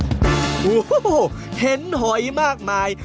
โอ้โหเห็นหอยมากมาย